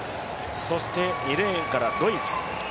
そして２レーンからドイツ。